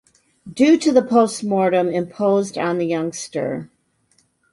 Due to the postmortem imposed on the youngster.